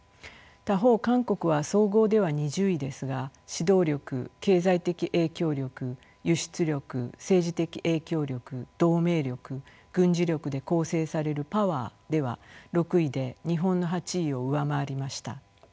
他方韓国は総合では２０位ですが指導力経済的影響力輸出力政治的影響力同盟力軍事力で構成されるパワーでは６位で日本の８位を上回りました。